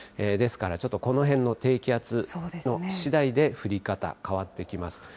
ですからちょっとこの辺の低気圧しだいで降り方変わってきます。